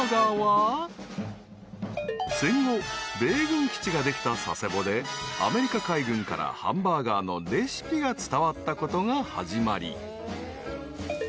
［戦後米軍基地ができた佐世保でアメリカ海軍からハンバーガーのレシピが伝わったことが始まり］